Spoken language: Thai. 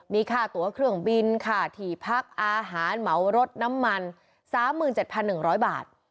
มีค่าตัวเครื่องบินค่าถี่พักอาหารเหมารถน้ำมัน๓๗๑๐๐บาท